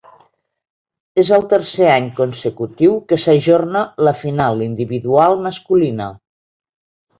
És el tercer any consecutiu que s'ajorna la final individual masculina.